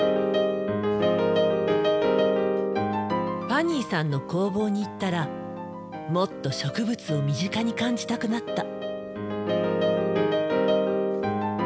ファニーさんの工房に行ったらもっと植物を身近に感じたくなった。